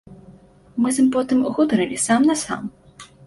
Мы з ім потым гутарылі сам-насам.